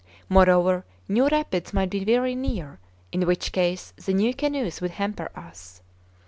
Moreover, new rapids might be very near, in which case the new canoes would hamper us.